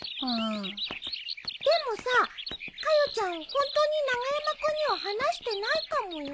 ホントに長山君には話してないかもよ。